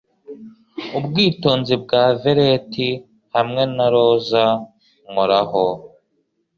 Ubwitonzi bwa veleti hamwe na roza nkoraho